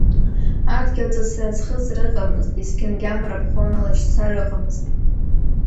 Адгьылҵысра, аӡхыҵра ыҟамызт, есқьынгьы амра ԥхон, алашьцара ыҟамызт.